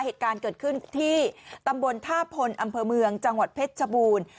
เหตุการณ์เกิดขึ้นที่ตำบลท่าพลอำเภอเมืองจังหวัดเพชรชบูรณ์